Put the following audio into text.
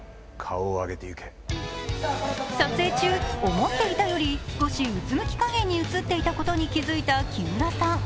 撮影中、思っていたより少しうつむき加減に映っていたことに気付いた木村さん。